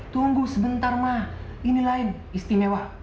tunggu sebentar mah ini lain istimewa